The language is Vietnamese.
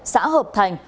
xã hợp thành